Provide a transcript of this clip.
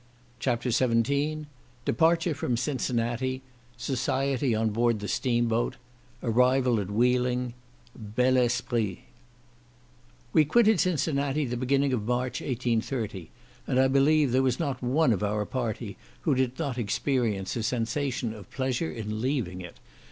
CHAPTER XVII Departure from Cincinnati—Society on board the Steam boat—Arrival at Wheeling—Bel Esprit We quitted Cincinnati the beginning of March, 1830, and I believe there was not one of our party who did not experience a sensation of pleasure in leaving it.